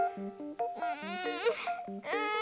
うんうんあ